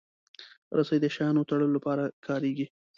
رسۍ د شیانو تړلو لپاره کارېږي.